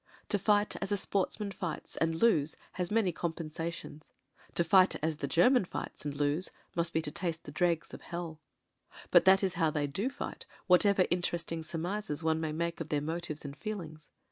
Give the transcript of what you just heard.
To fight as a sportsman fights and lose has many com pensations ; to fight as the German fights and lose must be to taste of the dregs of hell. But that is how they do fight, whatever interesting surmises one may make of their motives and feelings.